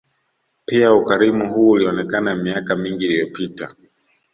Pia ukarimu huu ulionekana miaka mingi iliyopita